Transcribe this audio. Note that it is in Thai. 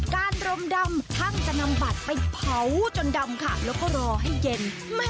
การรมดำช่างจะนำบัตรไปเผาจนดำค่ะแล้วก็รอให้เย็น